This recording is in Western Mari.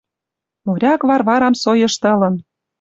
Моряк Варварам со йыштылын!